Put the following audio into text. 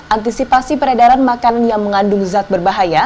antisipasi peredaran makanan yang mengandung zat berbahaya